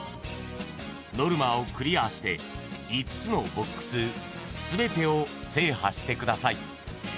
［ノルマをクリアして５つのＢＯＸ全てを制覇してください］